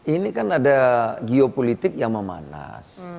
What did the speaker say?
ini kan ada geopolitik yang memanas